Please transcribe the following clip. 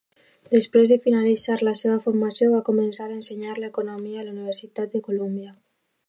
Després de finalitzar la seva formació, va començar a ensenyar economia a la Universitat de Columbia.